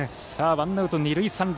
ワンアウト二塁三塁。